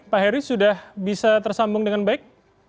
pak heri sudah bisa tersambung dengan baik